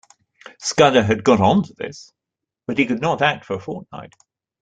Scudder had got on to this, but he could not act for a fortnight.